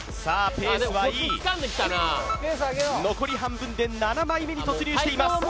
ペースはいい残り半分で７枚目に突入しています